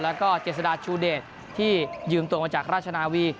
แล้วก็เจษฎาชูเดชที่ยืมตัวมาจากราชนาวี